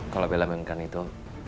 kalau bella menginginkan itu